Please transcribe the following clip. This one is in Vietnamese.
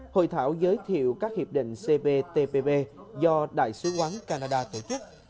hội thảo giới thiệu các hiệp định cptpp do đại sứ quán canada tổ chức